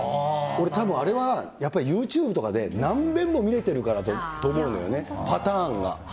俺たぶんあれは、やっぱりユーチューブとかで何べんも見れてるからだと思うのよね、パターンが。